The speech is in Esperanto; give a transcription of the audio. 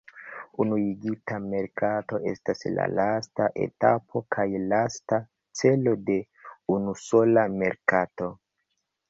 Unuigita merkato estas la lasta etapo kaj lasta celo de unusola merkato.